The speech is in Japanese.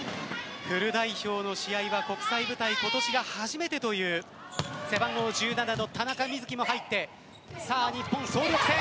フル代表の試合は国際舞台今年が初めてという背番号１７の田中瑞稀も入って日本、総力戦。